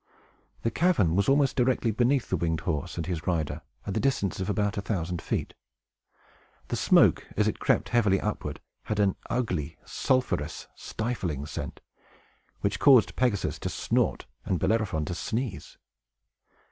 The cavern was almost directly beneath the winged horse and his rider, at the distance of about a thousand feet. The smoke, as it crept heavily upward, had an ugly, sulphurous, stifling scent, which caused Pegasus to snort and Bellerophon to sneeze.